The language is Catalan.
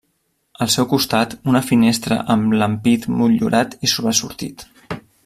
Al seu costat, una finestra amb l'ampit motllurat i sobresortit.